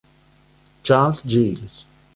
Charles Gill